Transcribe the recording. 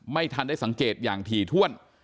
ไม่ทันได้สังเกตอย่างถี่ถ้วน